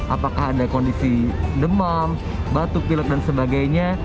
apakah ada kondisi demam batuk pilek dan sebagainya